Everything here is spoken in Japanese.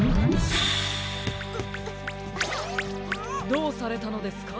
どうされたのですか？